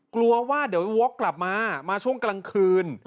กลัวว่าเดี๋ยววกกลับมามาช่วงกลางคืน